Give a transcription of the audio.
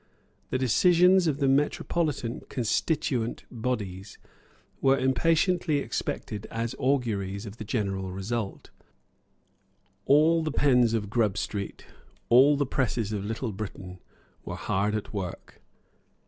The decisions of the Metropolitan constituent bodies were impatiently expected as auguries of the general result. All the pens of Grub Street, all the presses of Little Britain, were hard at work.